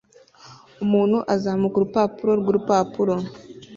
Umuntu azamuka urupapuro rwurupapuro